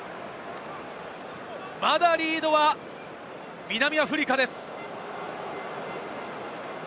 まだリードは南アフリカです。